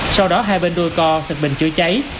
sau đó hai bên đuôi co xịt bình chữa cháy